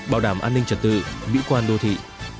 bảo đảm an ninh trật tự mỹ quan đô thị